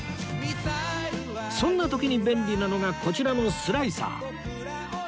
そんな時に便利なのがこちらのスライサー